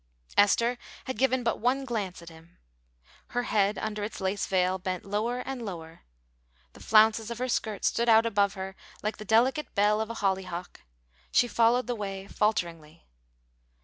Esther had given but one glance at him. Her head under its lace veil bent lower and lower. The flounces of her skirt stood out about her like the delicate bell of a hollyhock; she followed the way falteringly.